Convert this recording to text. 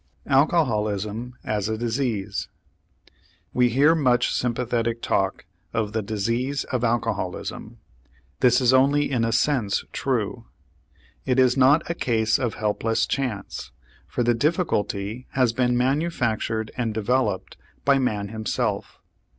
ALCOHOLISM AS A DISEASE We hear much sympathetic talk of the "disease of alcoholism." This is only in a sense true. It is not a case of helpless chance, for the difficulty has been manufactured and developed by man himself.